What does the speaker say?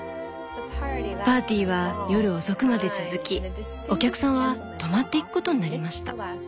「パーティーは夜遅くまで続きお客さんは泊まっていくことになりました。